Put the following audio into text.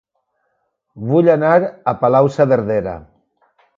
Vull anar a Palau-saverdera